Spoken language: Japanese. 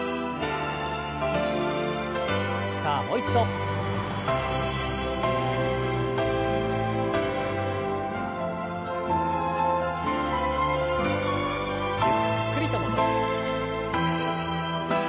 さあもう一度。ゆっくりと戻して。